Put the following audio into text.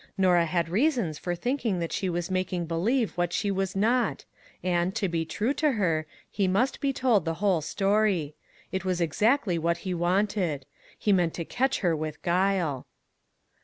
Norah had reasons for thinking that she was making be lieve what she was not ; and, to be true to her, he must be told the whole story. It was exactly what he wanted. He meant to catch her with guile.